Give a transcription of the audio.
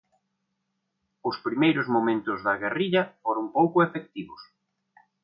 Os primeiros momentos da guerrilla foron pouco efectivos.